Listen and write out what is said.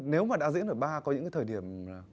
nếu mà đa diễn ở bar có những cái thời điểm